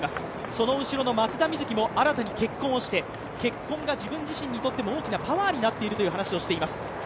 その後ろの松田瑞生も新たに結婚をして結婚が自分自身にとっても大きなパワーになっているという話をしています。